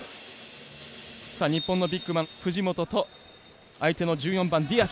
日本のビッグマン、藤本相手のディアス。